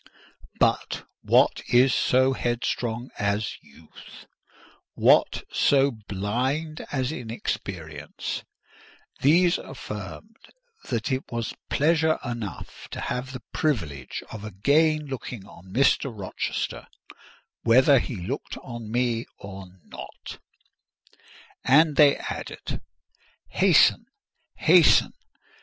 But what is so headstrong as youth? What so blind as inexperience? These affirmed that it was pleasure enough to have the privilege of again looking on Mr. Rochester, whether he looked on me or not; and they added—"Hasten! hasten!